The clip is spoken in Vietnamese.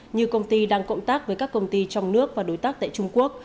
như công ty đang cộng tác với các công ty trong nước và đối tác tại trung quốc